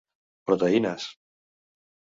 Proteïnes: